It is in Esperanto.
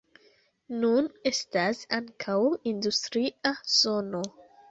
Nun estas ankaŭ industria zono.